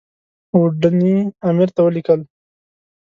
اوډني امیر ته ولیکل.